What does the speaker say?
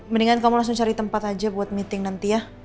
mendingan kamu langsung cari tempat aja buat meeting nanti ya